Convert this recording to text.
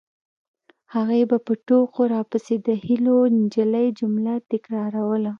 هغې به په ټوکو راپسې د هیلو نجلۍ جمله تکراروله